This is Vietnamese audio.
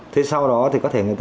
thế sau đó thì có thể người ta